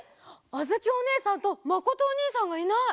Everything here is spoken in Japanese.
あづきおねえさんとまことおにいさんがいない！